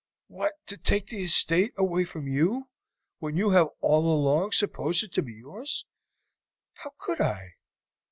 What, to take the estate away from you when you have all along supposed it to be yours! How could I?"